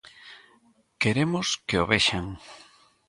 Queremos que o vexan.